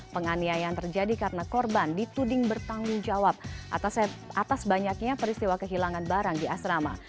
penganiayaan terjadi karena korban dituding bertanggung jawab atas banyaknya peristiwa kehilangan barang di asrama